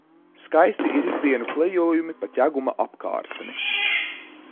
Skaisti ir ikdienu klejojumi pa Ķeguma apkārtni.